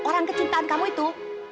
orang kecintaan kamu itu